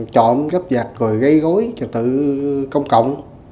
chọn gấp giặt rồi gây gối cho tự công cộng